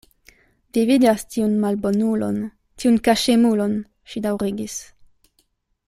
Vi vidas tiun malbonulon, tiun kaŝemulon, ŝi daŭrigis.